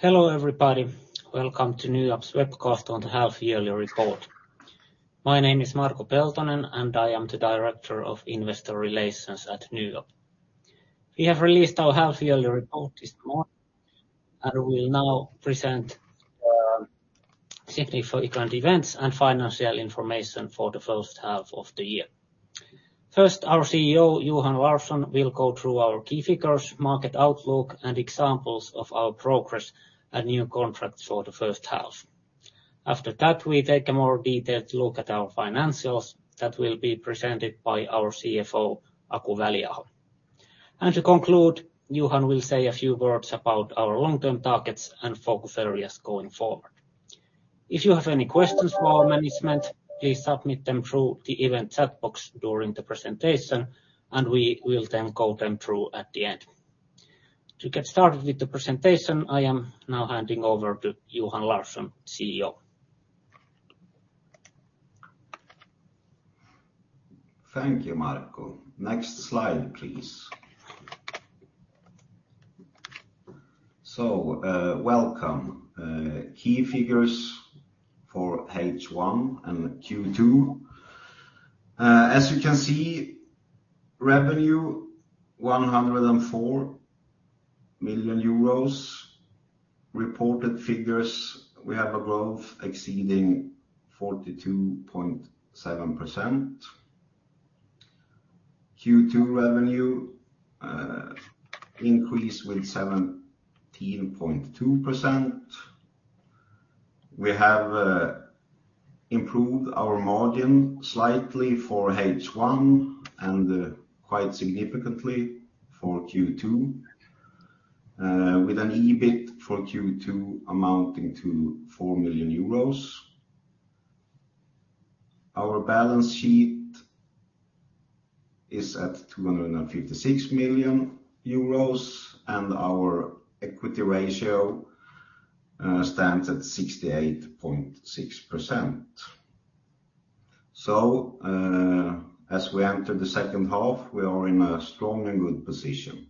Hello, everybody. Welcome to NYAB's webcast on the half-yearly report. My name is Marko Peltonen, and I am the Director of Investor Relations at NYAB. We have released our half-yearly report this morning, and we'll now present significant events and financial information for the H1 of the year. First, our CEO, Johan Larsson, will go through our key figures, market outlook, and examples of our progress and new contracts for the H1. After that, we take a more detailed look at our financials that will be presented by our CFO, Aku Väliaho. And to conclude, Johan will say a few words about our long-term targets and focus areas going forward. If you have any questions for our management, please submit them through the event chat box during the presentation, and we will then go through them at the end. To get started with the presentation, I am now handing over to Johan Larsson, CEO. Thank you, Marko. Next slide, please. So, welcome. Key figures for H1 and Q2. As you can see, revenue, 104 million euros. Reported figures, we have a growth exceeding 42.7%. Q2 revenue increase with 17.2%. We have improved our margin slightly for H1 and quite significantly for Q2, with an EBIT for Q2 amounting to 4 million euros. Our balance sheet is at 256 million euros, and our equity ratio stands at 68.6%. So, as we enter the H2, we are in a strong and good position.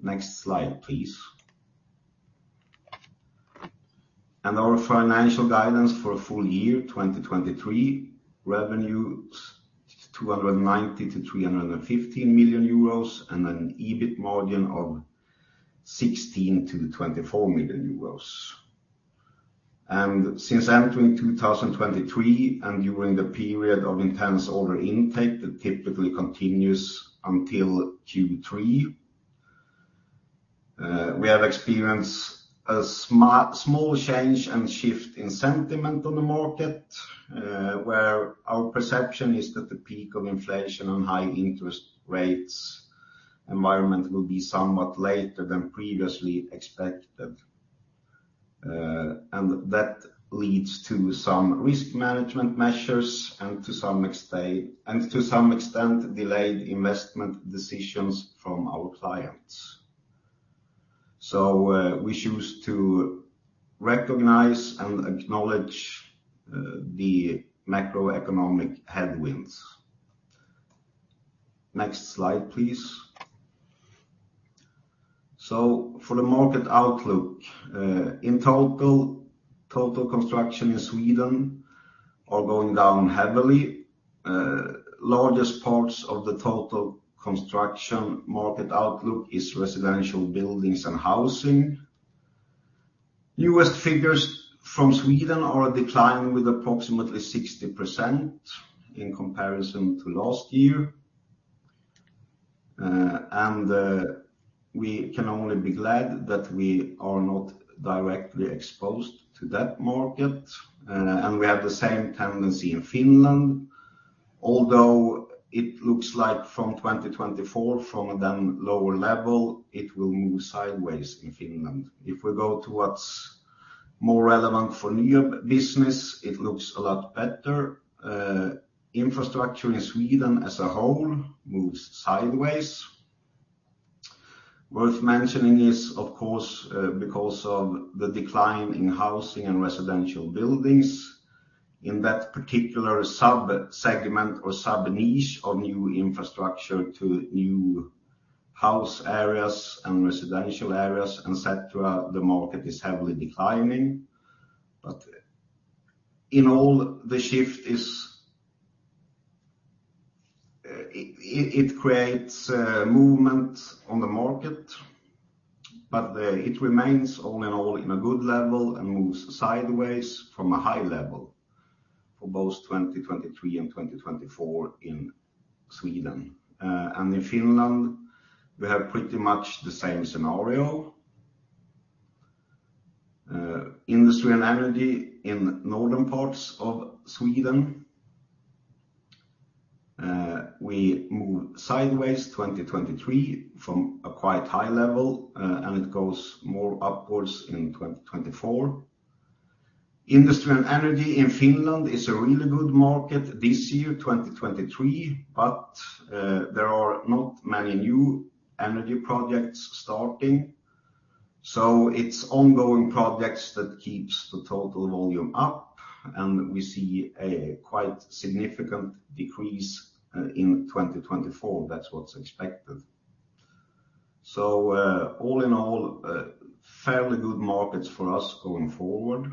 Next slide, please. And our financial guidance for full year 2023, revenues 290 million-315 million euros, and an EBIT margin of 16 million to 24 million euros. Since entering 2023, and during the period of intense order intake that typically continues until Q3, we have experienced a small change and shift in sentiment on the market, where our perception is that the peak of inflation on high interest rates environment will be somewhat later than previously expected. And that leads to some risk management measures and to some extent, delayed investment decisions from our clients. So, we choose to recognize and acknowledge the macroeconomic headwinds. Next slide, please. So for the market outlook, in total, total construction in Sweden are going down heavily. Largest parts of the total construction market outlook is residential buildings and housing. House figures from Sweden are declining with approximately 60% in comparison to last year. We can only be glad that we are not directly exposed to that market, and we have the same tendency in Finland, although it looks like from 2024, from then lower level, it will move sideways in Finland. If we go to what's more relevant for NYAB business, it looks a lot better. Infrastructure in Sweden as a whole moves sideways. Worth mentioning is, of course, because of the decline in housing and residential buildings, in that particular sub-segment or sub-niche of new infrastructure to new house areas and residential areas, etc., the market is heavily declining. But in all, the shift is... it creates movement on the market, but it remains all in all in a good level and moves sideways from a high level for both 2023 and 2024 in Sweden. In Finland, we have pretty much the same scenario. Industry and energy in northern parts of Sweden, we move sideways, 2023, from a quite high level, and it goes more upwards in 2024. Industry and energy in Finland is a really good market this year, 2023, but there are not many new energy projects starting, so it's ongoing projects that keeps the total volume up... and we see a quite significant decrease in 2024. That's what's expected. So, all in all, fairly good markets for us going forward.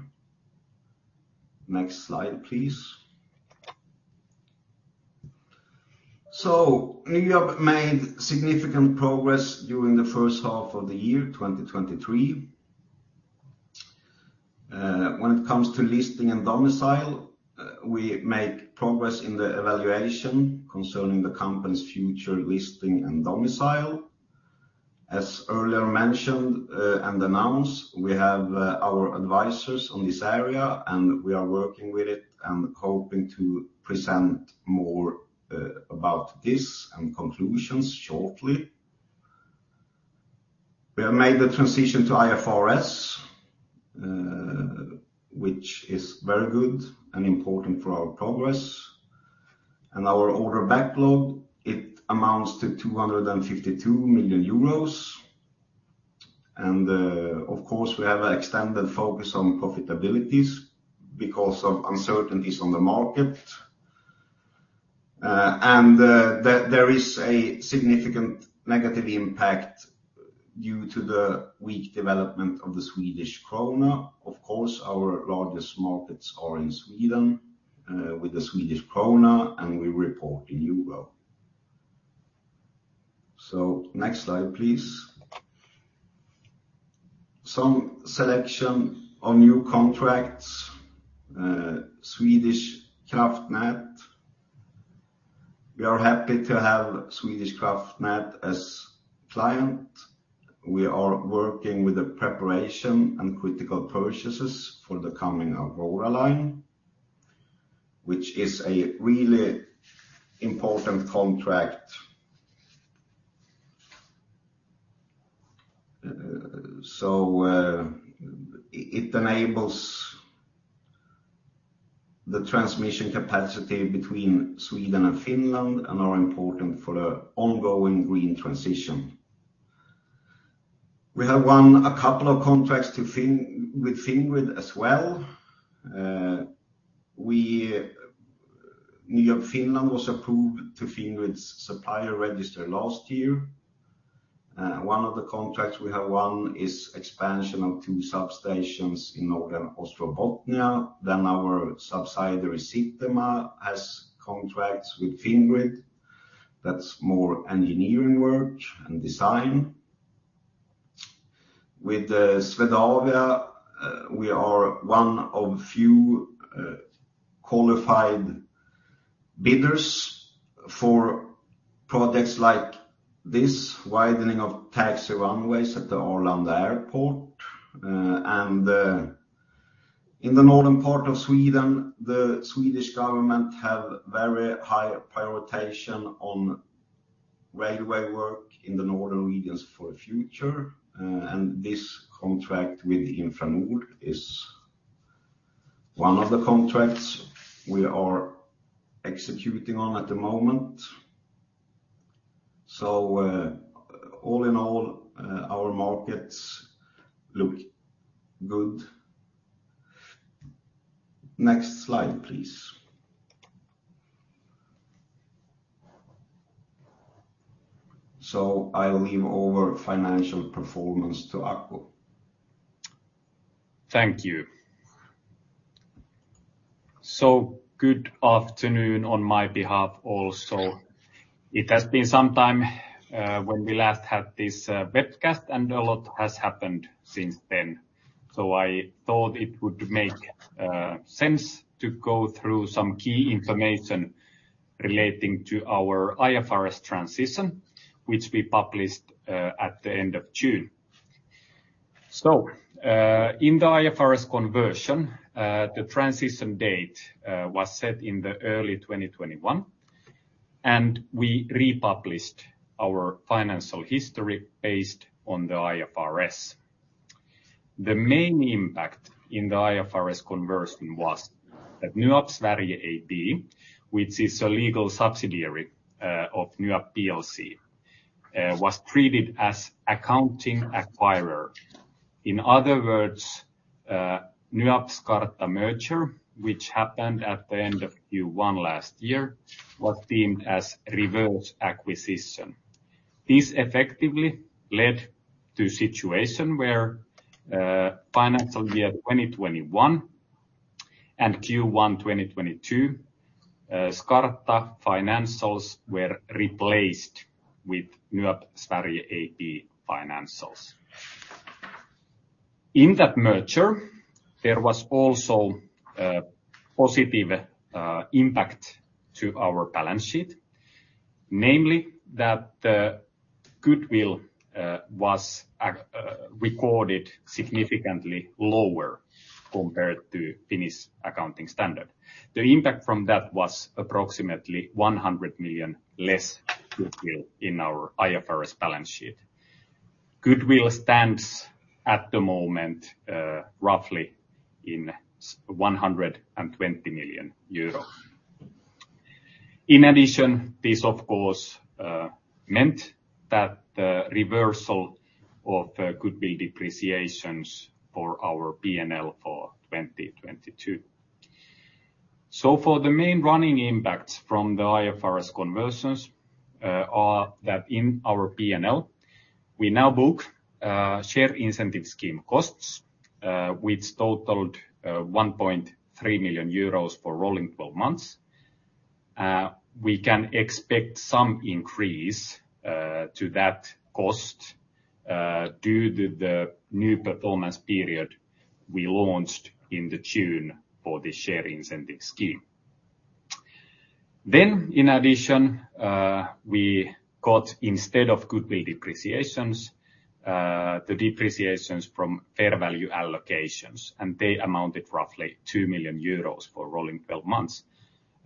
Next slide, please. So NYAB made significant progress during the H1 of the year 2023. When it comes to listing and domicile, we make progress in the evaluation concerning the company's future listing and domicile. As earlier mentioned and announced, we have our advisors on this area, and we are working with it and hoping to present more about this and conclusions shortly. We have made the transition to IFRS, which is very good and important for our progress. Our order backlog, it amounts to 252 million euros. Of course, we have an extended focus on profitabilities because of uncertainties on the market, and there is a significant negative impact due to the weak development of the Swedish krona. Of course, our largest markets are in Sweden with the Swedish krona, and we report in euro. Next slide, please. Some selection on new contracts, Svenska kraftnät. We are happy to have Svenska kraftnät as client. We are working with the preparation and critical purchases for the coming Aurora Line, which is a really important contract. It enables the transmission capacity between Sweden and Finland, and are important for the ongoing green transition. We have won a couple of contracts with Fingrid as well. NYAB Finland was approved to Fingrid's supplier register last year. One of the contracts we have won is expansion of two substations in Northern Ostrobothnia. Then our subsidiary, Sitema, has contracts with Fingrid. That's more engineering work and design. With Swedavia, we are one of few qualified bidders for projects like this, widening of taxi runways at the Arlanda Airport. In the northern part of Sweden, the Swedish government have very high prioritization on railway work in the northern regions for the future, and this contract with Infranord is one of the contracts we are executing on at the moment. All in all, our markets look good. Next slide, please. I'll leave over financial performance to Aku. Thank you. So good afternoon on my behalf also. It has been some time when we last had this webcast, and a lot has happened since then. So I thought it would make sense to go through some key information relating to our IFRS transition, which we published at the end of June. So, in the IFRS conversion, the transition date was set in the early 2021, and we republished our financial history based on the IFRS. The main impact in the IFRS conversion was that NYAB Sverige AB, which is a legal subsidiary of NYAB Plc, was treated as accounting acquirer. In other words, NYAB Skarta merger, which happened at the end of Q1 last year, was deemed as reverse acquisition. This effectively led to a situation where financial year 2021 and Q1 2022 Skarta financials were replaced with NYAB Sverige AB financials. In that merger, there was also a positive impact to our balance sheet, namely, that the goodwill was recorded significantly lower compared to Finnish accounting standard. The impact from that was approximately 100 million less goodwill in our IFRS balance sheet. Goodwill stands at the moment roughly 120 million EUR. In addition, this of course meant that the reversal of goodwill depreciations for our P&L for 2022. For the main running impacts from the IFRS conversions are that in our P&L, we now book share incentive scheme costs which totaled 1.3 million euros for rolling twelve months. We can expect some increase to that cost due to the new performance period we launched in the June for the share incentive scheme. Then, in addition, we got, instead of goodwill depreciations, the depreciations from fair value allocations, and they amounted roughly 2 million euros for rolling twelve months.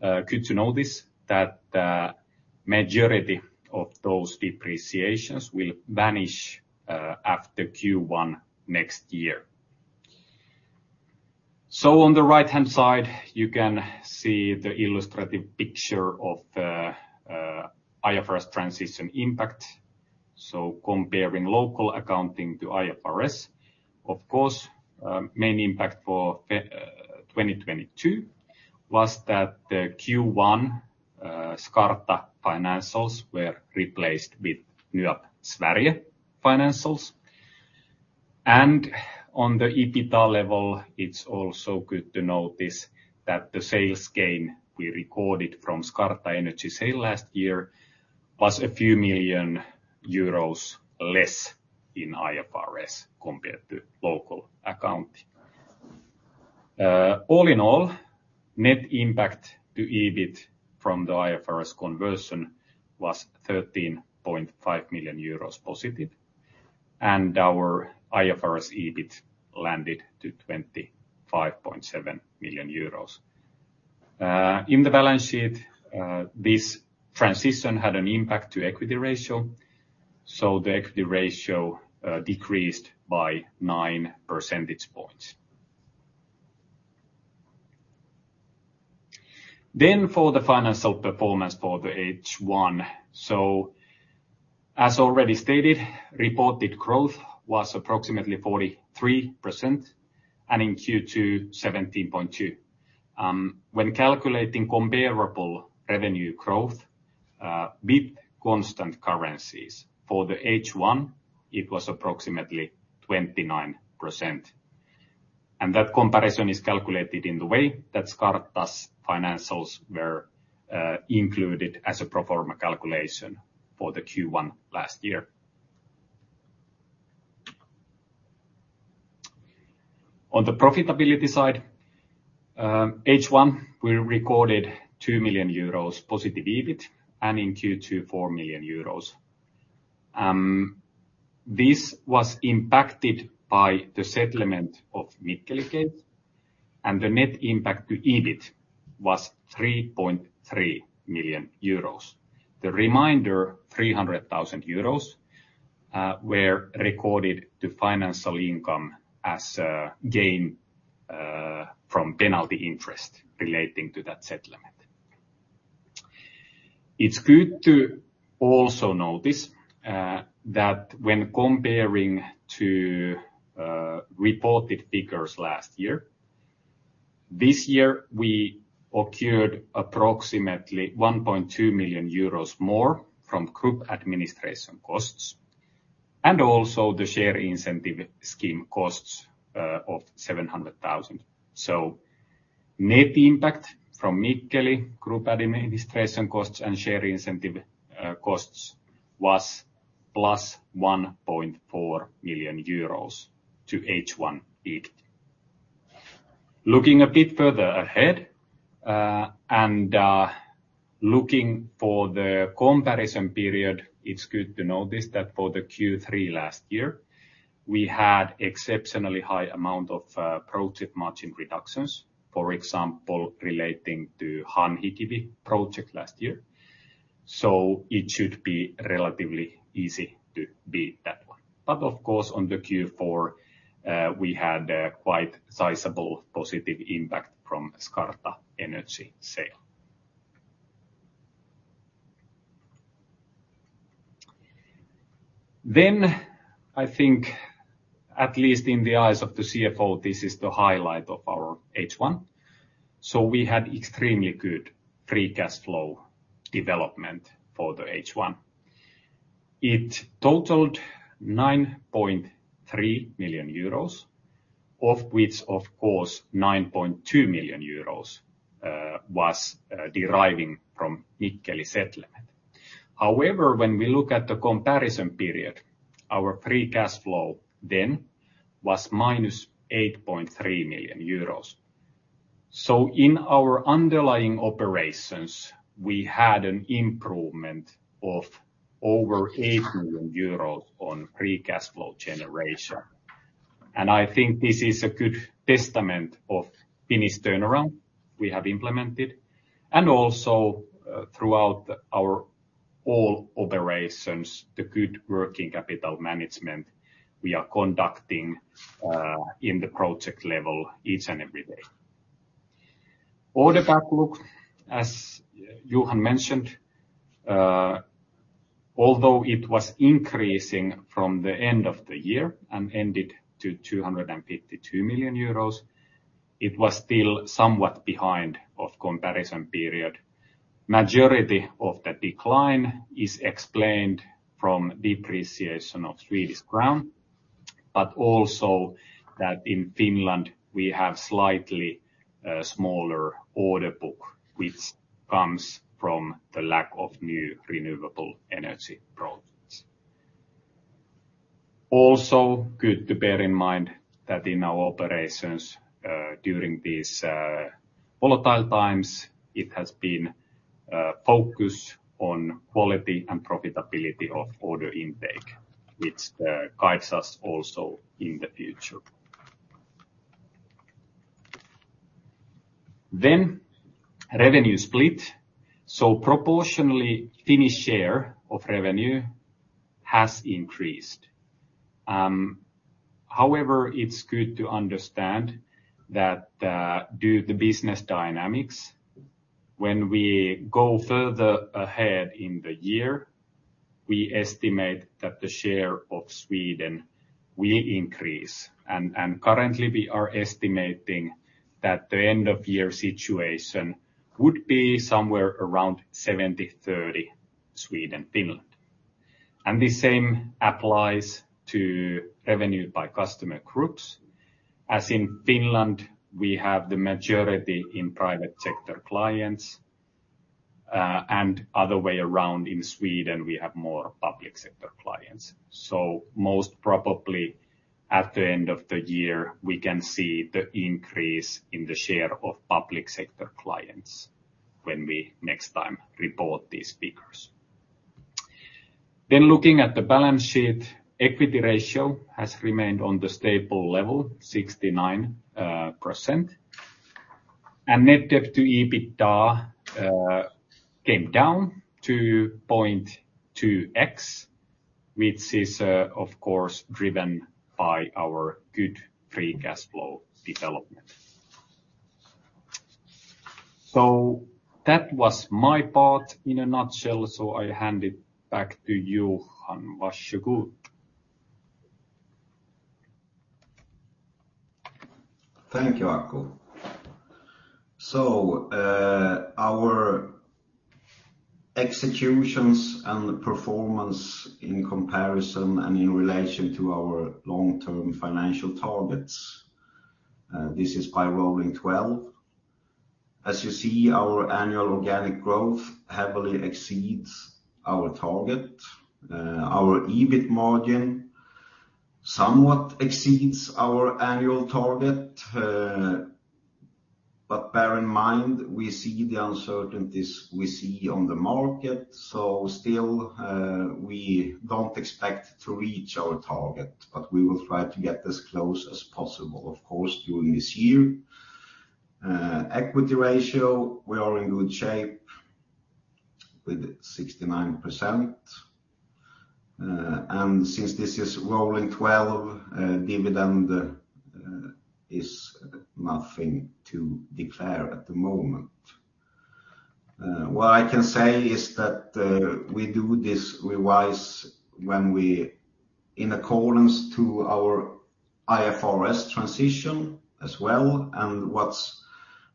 Good to notice that the majority of those depreciations will vanish after Q1 next year. So on the right-hand side, you can see the illustrative picture of the IFRS transition impact. So comparing local accounting to IFRS, of course, main impact for FY 2022 was that the Q1 Skarta financials were replaced with NYAB Sverige financials. On the EBITDA level, it's also good to notice that the sales gain we recorded from Skarta Energy sale last year was a few million EUR less in IFRS compared to local accounting. All in all, net impact to EBIT from the IFRS conversion was 13.5 million euros positive, and our IFRS EBIT landed to 25.7 million euros. In the balance sheet, this transition had an impact to equity ratio, so the equity ratio decreased by 9 percentage points. For the financial performance for the H1, so as already stated, reported growth was approximately 43%, and in Q2, 17.2%. When calculating comparable revenue growth, with constant currencies for the H1, it was approximately 29%. That comparison is calculated in the way that Skarta's financials were included as a pro forma calculation for the Q1 last year. On the profitability side, H1, we recorded 2 million euros positive EBIT, and in Q2, 4 million euros. This was impacted by the settlement of Mikkeli case, and the net impact to EBIT was 3.3 million euros. The remainder, 300,000 euros, were recorded to financial income as a gain from penalty interest relating to that settlement. It's good to also notice that when comparing to reported figures last year, this year we occurred approximately 1.2 million euros more from group administration costs, and also the share incentive scheme costs of 700,000. So net impact from Mikkeli group administration costs and share incentive costs was plus 1.4 million euros to H1 EBIT. Looking a bit further ahead and looking for the comparison period, it's good to notice that for the Q3 last year, we had exceptionally high amount of project margin reductions, for example, relating to Hanhikivi project last year. So it should be relatively easy to beat that one. But of course, on the Q4, we had a quite sizable positive impact from Skarta Energy sale. Then, I think, at least in the eyes of the CFO, this is the highlight of our H1. So we had extremely good free cash flow development for the H1. It totaled 9.3 million euros, of which, of course, 9.2 million euros was deriving from Mikkeli settlement. However, when we look at the comparison period, our free cash flow then was -8.3 million euros. So in our underlying operations, we had an improvement of over 8 million euros on free cash flow generation. And I think this is a good testament of Finnish turnaround we have implemented, and also, throughout all operations, the good working capital management we are conducting, in the project level each and every day. Order backlogs, as Johan mentioned, although it was increasing from the end of the year and ended to 252 million euros, it was still somewhat behind of comparison period. Majority of the decline is explained from depreciation of Swedish krona, but also that in Finland, we have slightly, smaller order book, which comes from the lack of new renewable energy projects. Also, good to bear in mind that in our operations, during these volatile times, it has been focus on quality and profitability of order intake, which guides us also in the future. Then, revenue split. So proportionally, Finnish share of revenue has increased. However, it's good to understand that due to the business dynamics, when we go further ahead in the year, we estimate that the share of Sweden will increase, and currently, we are estimating that the end-of-year situation would be somewhere around 70-30, Sweden, Finland. And the same applies to revenue by customer groups. As in Finland, we have the majority in private sector clients, and other way around in Sweden, we have more public sector clients. So most probably, at the end of the year, we can see the increase in the share of public sector clients when we next time report these figures. Then looking at the balance sheet, equity ratio has remained on the stable level, 69%. And net debt to EBITDA came down to 0.2x, which is, of course, driven by our good free cash flow development. So that was my part in a nutshell, so I hand it back to you, Johan Larsson. Thank you, Aku. So, our executions and performance in comparison and in relation to our long-term financial targets, this is by rolling twelve. As you see, our annual organic growth heavily exceeds our target. Our EBIT margin somewhat exceeds our annual target, but bear in mind, we see the uncertainties we see on the market, so still, we don't expect to reach our target, but we will try to get as close as possible, of course, during this year. Equity ratio, we are in good shape with 69%. And since this is rolling twelve, dividend is nothing to declare at the moment. What I can say is that, we do this revise when we... In accordance to our IFRS transition as well, and what's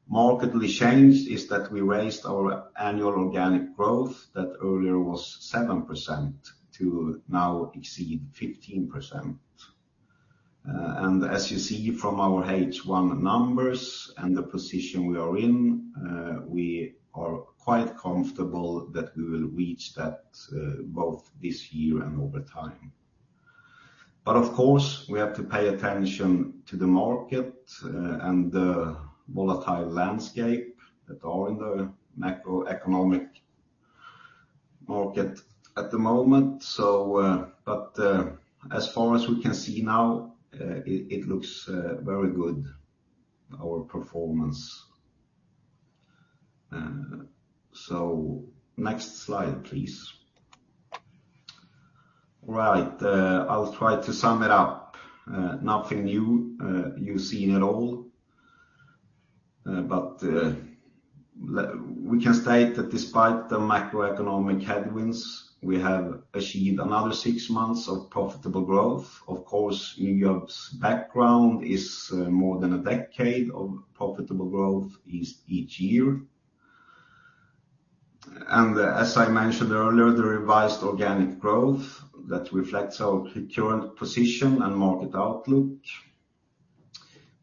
markedly changed is that we raised our annual organic growth that earlier was 7% to now exceed 15%. And as you see from our H1 numbers and the position we are in, we are quite comfortable that we will reach that, both this year and over time. But of course, we have to pay attention to the market, and the volatile landscape that are in the macroeconomic market at the moment, so, but, as far as we can see now, it looks very good, our performance. So next slide, please. Right, I'll try to sum it up. Nothing new, you've seen it all. But, we can state that despite the macroeconomic headwinds, we have achieved another six months of profitable growth. Of course, NYAB's background is more than a decade of profitable growth each year. As I mentioned earlier, the revised organic growth that reflects our current position and market outlook.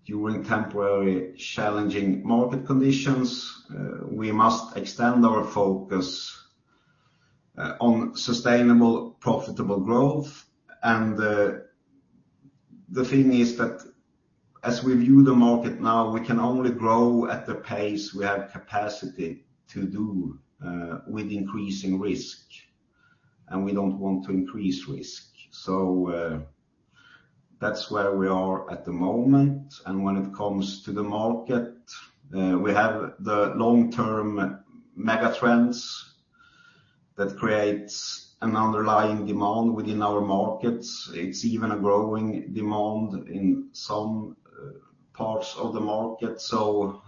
During temporary challenging market conditions, we must extend our focus on sustainable, profitable growth, and the thing is that as we view the market now, we can only grow at the pace we have capacity to do with increasing risk, and we don't want to increase risk. That's where we are at the moment, and when it comes to the market, we have the long-term mega trends that creates an underlying demand within our markets. It's even a growing demand in some parts of the market. So,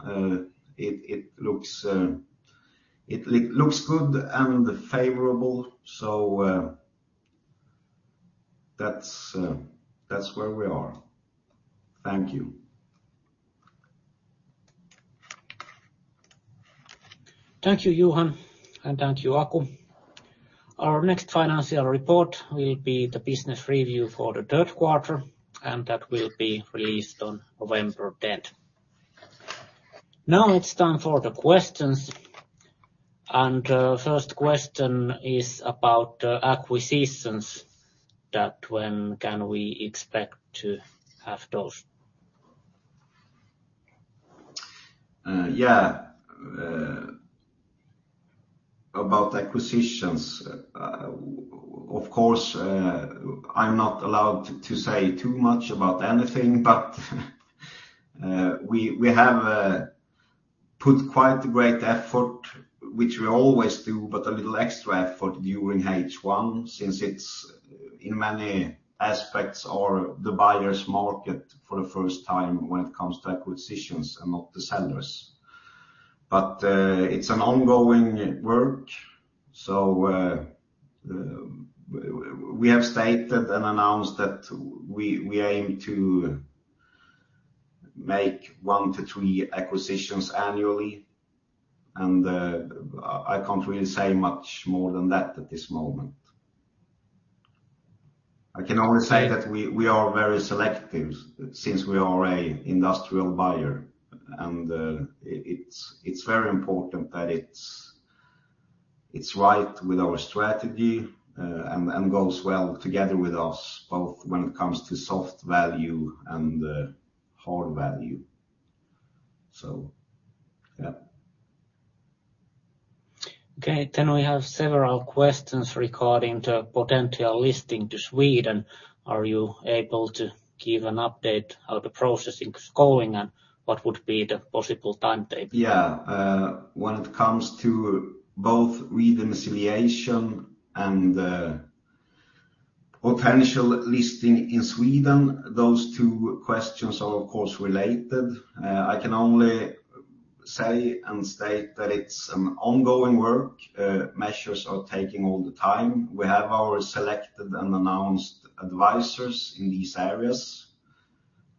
it looks good and favorable. So, that's where we are. Thank you. Thank you, Johan, and thank you, Aku. Our next financial report will be the business review for the third quarter, and that will be released on 10 November 2023. Now it's time for the questions, and first question is about acquisitions, that when can we expect to have those? Yeah. About acquisitions, of course, I'm not allowed to say too much about anything, but we have put quite a great effort, which we always do, but a little extra effort during H1, since it's in many aspects the buyer's market for the first time when it comes to acquisitions and not the sellers. But it's an ongoing work, so we have stated and announced that we aim to make 1-3 acquisitions annually, and I can't really say much more than that at this moment. I can only say that we are very selective since we are an industrial buyer, and it's very important that it's right with our strategy, and goes well together with us, both when it comes to soft value and hard value. So, yeah. Okay, then we have several questions regarding the potential listing to Sweden. Are you able to give an update how the processing is going, and what would be the possible timetable? Yeah, when it comes to both re-domiciliation and potential listing in Sweden, those two questions are, of course, related. I can only say and state that it's an ongoing work. Measures are taking all the time. We have our selected and announced advisors in these areas,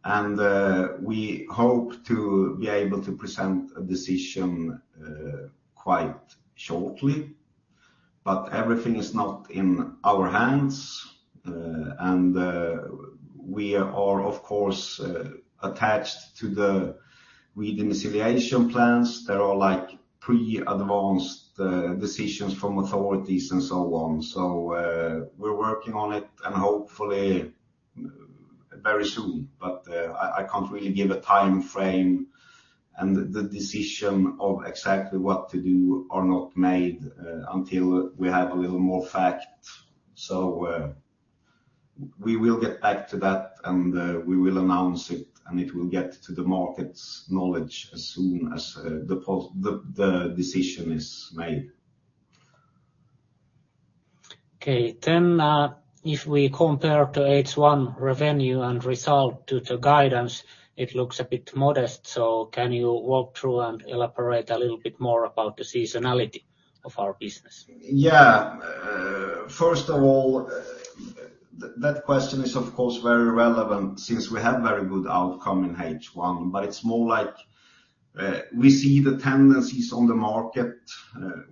and we hope to be able to present a decision quite shortly, but everything is not in our hands. And we are, of course, attached to the re-domiciliation plans. There are, like, pre-advanced decisions from authorities and so on. So, we're working on it, and hopefully, very soon, but I can't really give a timeframe, and the decision of exactly what to do are not made until we have a little more fact. We will get back to that, and we will announce it, and it will get to the market's knowledge as soon as the decision is made. Okay, then, if we compare the H1 revenue and result to the guidance, it looks a bit modest. So can you walk through and elaborate a little bit more about the seasonality of our business? Yeah. First of all, that question is, of course, very relevant since we have very good outcome in H1, but it's more like, we see the tendencies on the market.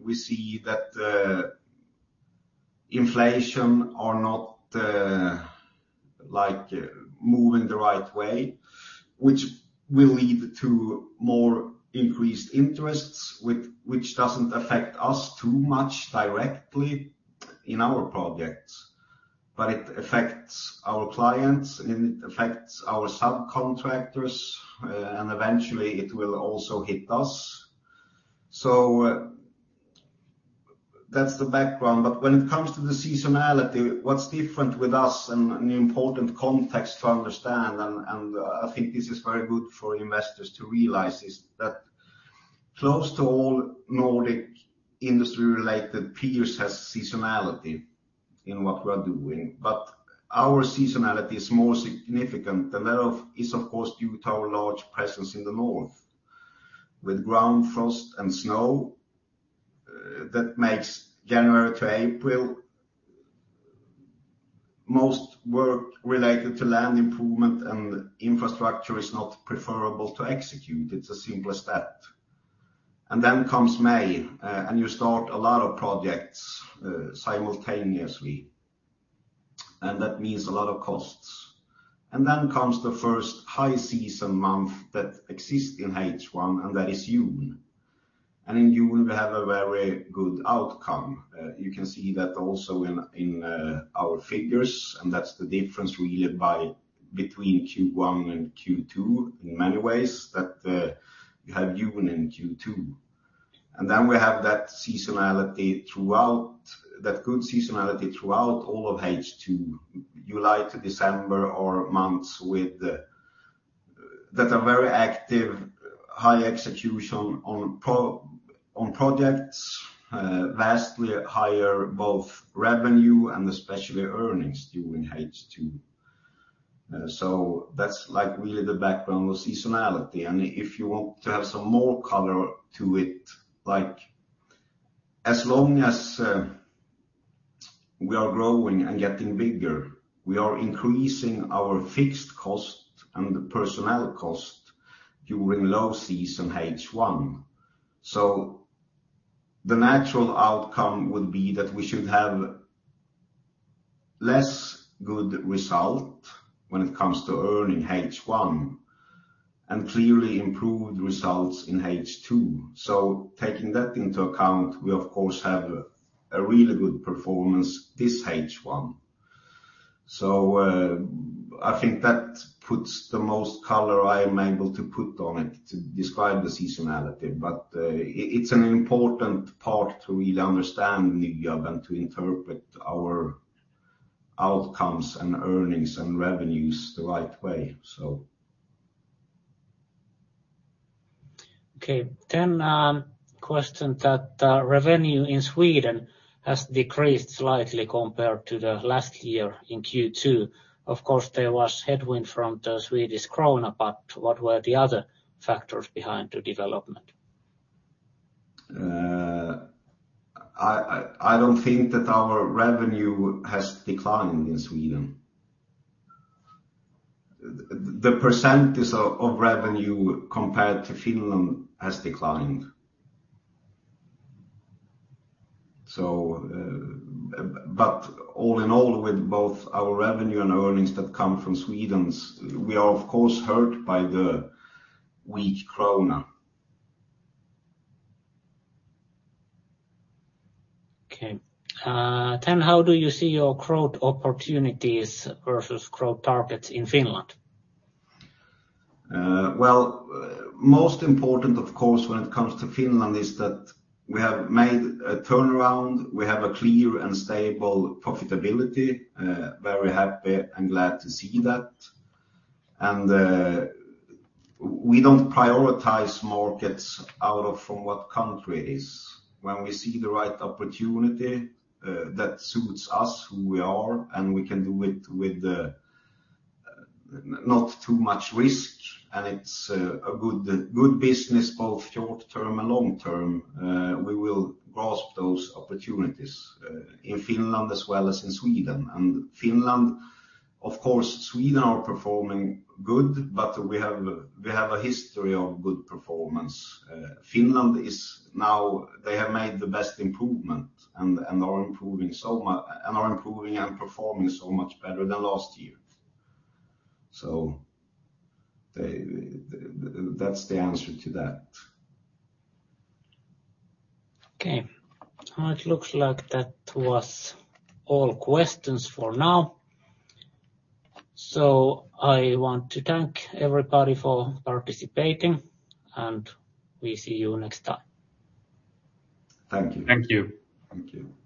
We see that inflation are not like moving the right way, which will lead to more increased interests, which doesn't affect us too much directly in our projects, but it affects our clients, and it affects our subcontractors, and eventually it will also hit us. So that's the background. But when it comes to the seasonality, what's different with us, and the important context to understand, and I think this is very good for investors to realize, is that close to all Nordic industry-related peers has seasonality in what we are doing. But our seasonality is more significant, and that is, of course, due to our large presence in the north, with ground frost and snow, that makes January to April, most work related to land improvement and infrastructure is not preferable to execute. It's as simple as that. Then comes May, and you start a lot of projects, simultaneously, and that means a lot of costs. Then comes the first high season month that exists in H1, and that is June, and in June, we have a very good outcome. You can see that also in, in, our figures, and that's the difference really between Q1 and Q2 in many ways, that, you have June and Q2... And then we have that seasonality throughout, that good seasonality throughout all of H2. July to December are months with that are very active, high execution on projects, vastly higher both revenue and especially earnings during H2. So that's, like, really the background of seasonality. And if you want to have some more color to it, like, as long as we are growing and getting bigger, we are increasing our fixed cost and the personnel cost during low season H1. So the natural outcome would be that we should have less good result when it comes to earning H1, and clearly improved results in H2. So taking that into account, we, of course, have a really good performance this H1. So, I think that puts the most color I am able to put on it to describe the seasonality, but, it's an important part to really understand NYAB and to interpret our outcomes, and earnings, and revenues the right way, so. Okay. Then, question that, revenue in Sweden has decreased slightly compared to the last year in Q2. Of course, there was headwind from the Swedish krona, but what were the other factors behind the development? I don't think that our revenue has declined in Sweden. The percentage of revenue compared to Finland has declined. So, but all in all, with both our revenue and earnings that come from Sweden's, we are, of course, hurt by the weak krona. Okay. Then how do you see your growth opportunities versus growth targets in Finland? Well, most important, of course, when it comes to Finland, is that we have made a turnaround. We have a clear and stable profitability. Very happy and glad to see that. And, we don't prioritize markets out of from what country it is. When we see the right opportunity, that suits us, who we are, and we can do it with, not too much risk, and it's, a good, good business, both short term and long term, we will grasp those opportunities, in Finland as well as in Sweden. And Finland. Of course, Sweden are performing good, but we have, we have a history of good performance. Finland is now. They have made the best improvement and, and are improving and performing so much better than last year. So they, that's the answer to that. Okay. It looks like that was all questions for now. So I want to thank everybody for participating, and we'll see you next time. Thank you. Thank you. Thank you.